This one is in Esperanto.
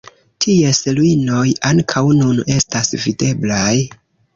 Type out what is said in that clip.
Ties ruinoj ankaŭ nun estas videblaj.